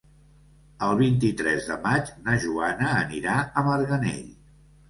El vint-i-tres de maig na Joana anirà a Marganell.